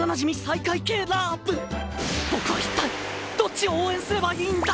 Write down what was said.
僕は一体どっちを応援すればいいんだ！